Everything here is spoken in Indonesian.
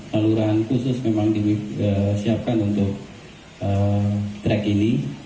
saluran khusus memang disiapkan untuk track ini